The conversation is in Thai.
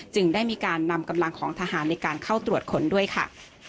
ได้มีการนำกำลังของทหารในการเข้าตรวจค้นด้วยค่ะ